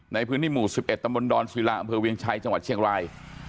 ในพื้นที่หมู่๑๑ตำบลดอนศิลาอำเภอเวียงชัยจังหวัดเชียงราย